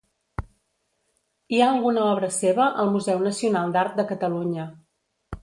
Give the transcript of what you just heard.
Hi ha alguna obra seva al Museu Nacional d'Art de Catalunya.